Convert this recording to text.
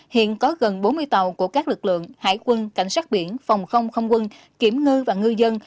hiện có gần bốn mươi tàu của các lực lượng hải quân cảnh sát biển phòng không không quân kiểm ngư và ngư dân